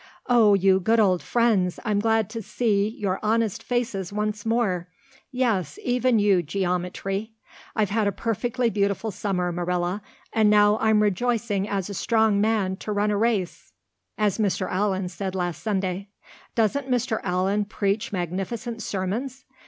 "Oh, you good old friends, I'm glad to see your honest faces once more yes, even you, geometry. I've had a perfectly beautiful summer, Marilla, and now I'm rejoicing as a strong man to run a race, as Mr. Allan said last Sunday. Doesn't Mr. Allan preach magnificent sermons?